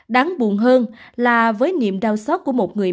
đáng buồn hơn là với niềm đau xót của một người bạn